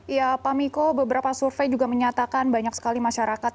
ya pak miko beberapa survei juga menyatakan banyak sekali masyarakat